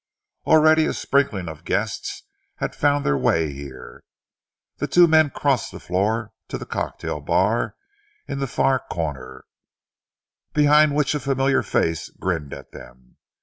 Already a sprinkling of the guests had found their way here. The two men crossed the floor to the cocktail bar in the far corner, behind which a familiar face grinned at them.